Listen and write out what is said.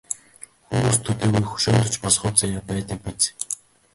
Хүмүүст төдийгүй хөшөөнд ч бас хувь заяа байдаг биз.